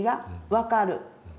分かる。